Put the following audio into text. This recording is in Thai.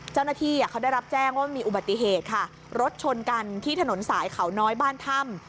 เจ้าหน้าที่เขาได้รับแจ้งว่ามีอุบัติเหตุค่ะรถชนกันที่ถนนสายเขาน้อยบ้านถ้ำ